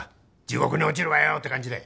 地獄に落ちるわよって感じで。